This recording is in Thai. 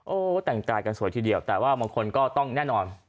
โอ้โหแต่งกายกันสวยทีเดียวแต่ว่าบางคนก็ต้องแน่นอน